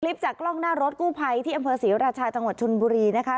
จากกล้องหน้ารถกู้ภัยที่อำเภอศรีราชาจังหวัดชนบุรีนะคะ